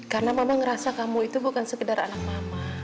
karena mama ngerasa kamu itu bukan sekedar anak mama